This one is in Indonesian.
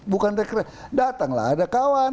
bukan teknis datanglah ada kawan